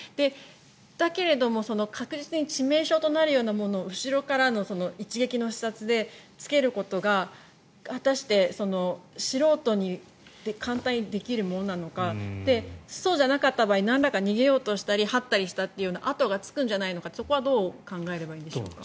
だけども確実に致命傷となるようなもの後ろからの一撃の刺殺でつけることが果たして素人に簡単にできるものなのかそうじゃなかった場合なんらか逃げようとしたり這ったりしたという跡がつくんじゃないのかってそこはどう考えればいいんでしょうか？